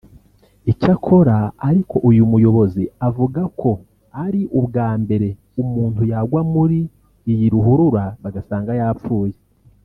Icyakora ariko uyu muyobozi avuga ko ari ubwa mbere umuntu yagwa muri iyi ruhurura bagasanga yapfuye